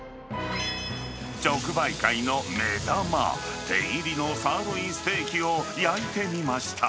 直売会の目玉、手切りのサーロインステーキを焼いてみました。